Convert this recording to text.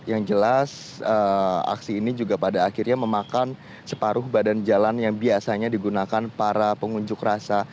yang jelas aksi ini juga pada akhirnya memakan separuh badan jalan yang biasanya digunakan para pengunjuk rasa